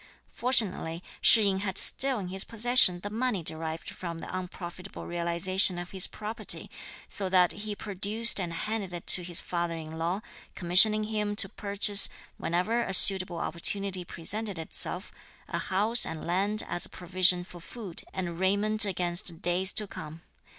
Fortunately Shih yin had still in his possession the money derived from the unprofitable realization of his property, so that he produced and handed it to his father in law, commissioning him to purchase, whenever a suitable opportunity presented itself, a house and land as a provision for food and raiment against days to come.